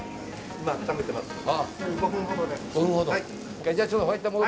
今温めてますので。